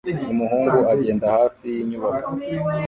Umuhungu agenda hafi yinyubako